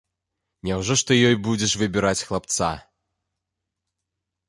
Няўжо ж ты ёй будзеш выбіраць хлапца?